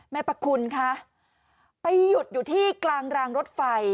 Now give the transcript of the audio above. ประคุณคะไปหยุดอยู่ที่กลางรางรถไฟ